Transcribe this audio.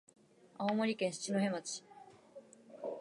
青森県七戸町